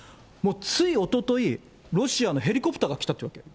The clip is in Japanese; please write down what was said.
ついおととい、ロシアのヘリコプターが来たって言われて。